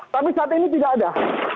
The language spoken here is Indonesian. tapi saat ini tidak ada